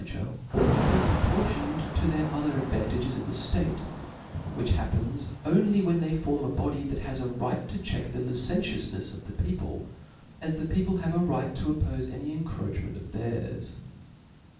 ^^t^r® ought to be proportiofted to tUtit other ad* vantages in the ftate s which happenis only wbeo they form a body that has a Tight to check the li centiournefs of the people, as the people have a right to oppofe any encroachment of theirs.